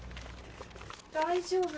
・大丈夫。